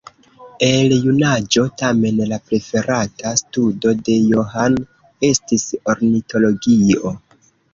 El junaĝo tamen la preferata studo de John estis ornitologio.